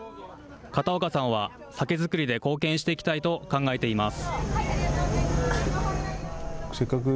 片岡さんは酒造りで貢献していきたいと考えています。